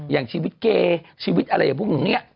อย่างชีวิตเกย์ชีวิตอะไรอย่างพวกหนูเนี่ย